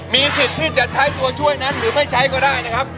มีสิทธิ์ที่จะใช้ตัวช่วยนั้นหรือไม่ใช้ก็ได้นะครับ